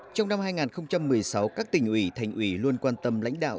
trong năm hai nghìn một mươi sáu các tỉnh ủy thành ủy luôn quan tâm lãnh đạo